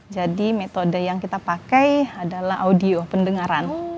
jadi metode yang kita pakai adalah audio pendengaran